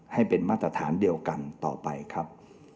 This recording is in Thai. ให้เป็นมาตรฐานเดียวกันต่อไปครับ